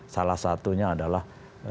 salah satunya adalah